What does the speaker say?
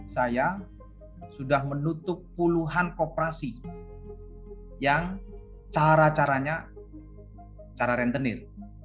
saya sudah menutup puluhan kooperasi yang cara caranya cara rentenir